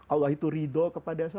allah itu ridho kepada saya